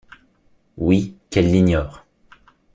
Oui, qu’elle l’ignore.